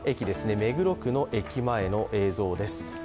目黒区の駅前の映像です。